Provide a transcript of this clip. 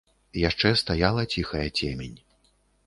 Яшчэ стаяла ціхая цемень.